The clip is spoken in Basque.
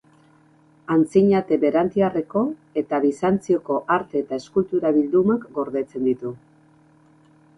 Antzinate berantiarreko eta Bizantzioko arte eta eskultura bildumak gordetzen ditu.